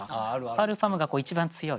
パルファムが一番強い。